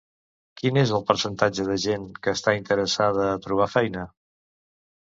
Quin és el percentatge de gent que està interessada a trobar feina?